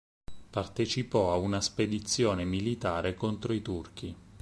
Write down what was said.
Partecipò a una spedizione militare contro i Turchi.